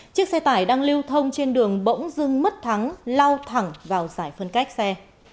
chiếc xe tải đang lưu thông trên đường bỗng dưng mất thắng lao thẳng vào giải phân cách xe